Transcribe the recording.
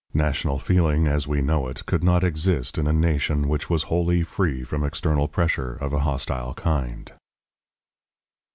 National feeling, as we know it, could not exist in a nation which was wholly free from external pressure of a hostile kind.